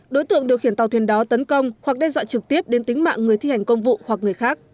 đối tượng điều khiển tàu thuyền đó tấn công hoặc đe dọa trực tiếp đến tính mạng người thi hành công vụ hoặc người khác